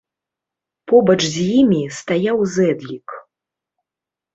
Побач з імі стаяў зэдлік.